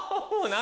何？